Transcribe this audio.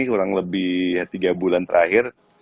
kurang lebih tiga bulan terakhir